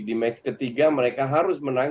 di match ketiga mereka harus menang